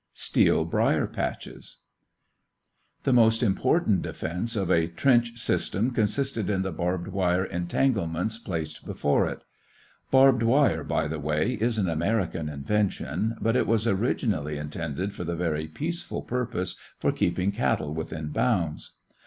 STEEL BRIER PATCHES The most important defense of a trench system consisted in the barbed wire entanglements placed before it. Barbed wire, by the way, is an American invention, but it was originally intended for the very peaceful purpose for keeping cattle within bounds.